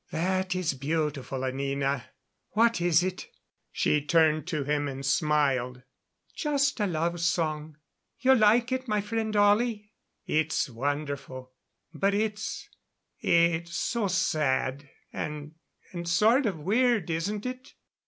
"That is beautiful, Anina. What is it?" She turned to him and smiled. "Just love song. You like it, my friend Ollie?" "It's wonderful. But it's it's so sad and and sort of weird isn't it?"